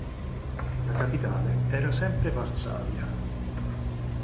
La capitale era sempre Varsavia.